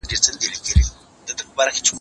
زه به سبا د سوالونو جواب ورکوم..